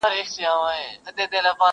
عِلم حاصلېږي مدرسو او مکتبونو کي،